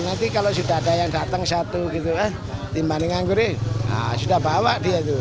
nanti kalau sudah ada yang datang satu dibandingkan gue sudah bawa dia